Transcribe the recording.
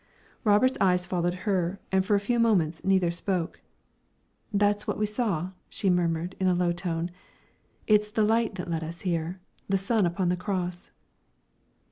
Robert's eyes followed hers, and for a few minutes neither spoke. "That's what we saw," she murmured, in a low tone; "that's the light that led us here the sun upon the cross!"